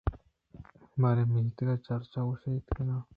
باریں میتگ ءِ چرچ گوٛست کہ ناں